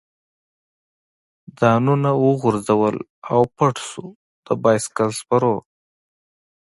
ځانونه وغورځول او پټ شو، د بایسکل سپرو.